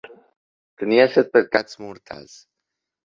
Tenir els set pecats mortals.